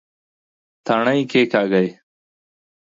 تڼي کېکاږئ